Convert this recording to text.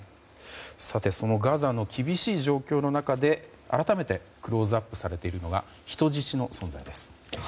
そのガザの厳しい状況の中で改めてクローズアップされているのが人質の存在です。